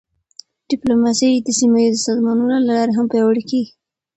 ډیپلوماسي د سیمهییزو سازمانونو له لارې هم پیاوړې کېږي.